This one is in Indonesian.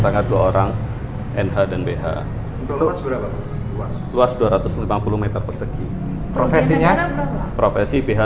kejadian ini dari tahun berapa